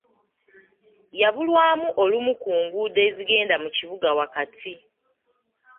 Yabbulwamu olumu ku nguudo ezigenda mu kibuga wakati.